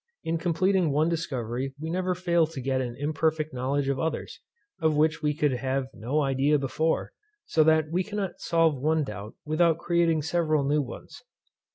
In completing one discovery we never fail to get an imperfect knowledge of others, of which we could have no idea before; so that we cannot solve one doubt without creating several new ones.